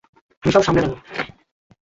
আমি সব সামলে নেবো।